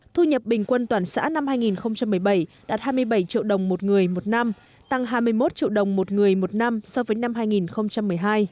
thu nhập bình quân toàn xã năm hai nghìn một mươi bảy đạt hai mươi bảy triệu đồng một người một năm tăng hai mươi một triệu đồng một người một năm so với năm hai nghìn một mươi hai